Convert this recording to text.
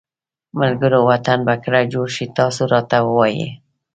ملګروو وطن به کله جوړ شي تاسو راته ووایی ها